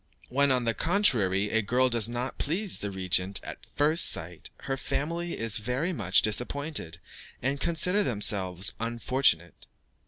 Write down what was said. When, on the contrary, a girl does not please the regent at first sight, her family are very much disappointed, and consider themselves unfortunate.